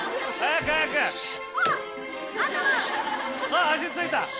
あっ足付いた。